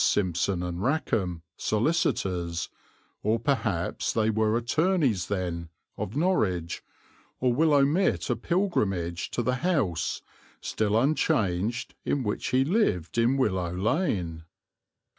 Simpson and Rackham, solicitors, or perhaps they were attorneys then, of Norwich, or will omit a pilgrimage to the house, still unchanged, in which he lived in Willow Lane?